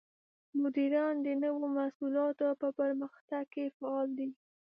مدیران د نوو محصولاتو په پرمختګ کې فعال دي.